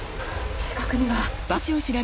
正確には。